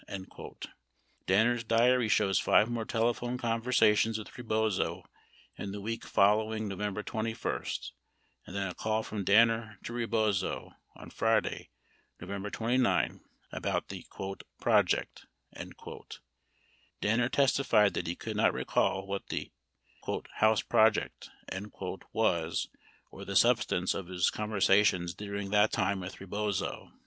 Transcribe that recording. Danner's diary shows five more telephone conversa tions with Rebozo in the week following November 21, and then a call from Danner to Rebozo on Friday, November 29, about the "project." 71 Danner testified that he could not recall what the "house project" was or the substance of his conversations during that time with Rebozo.